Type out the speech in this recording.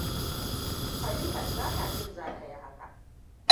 Khalifat ba ta jin zata yi haka.